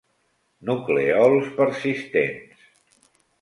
Nuclèols persistents.